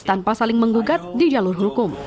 tanpa saling menggugat di jalur hukum